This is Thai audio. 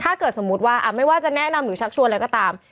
สมมุติว่าไม่ว่าจะแนะนำหรือชักชวนอะไรก็ตาม